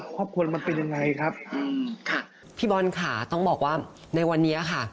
ครอบครัวมันเป็นยังไงครับอืมค่ะพี่บอลค่ะต้องบอกว่าในวันนี้ค่ะ